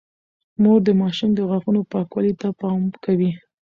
مور د ماشوم د غاښونو پاکوالي ته پام کوي۔